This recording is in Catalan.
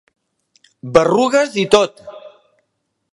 Berrugues i tot!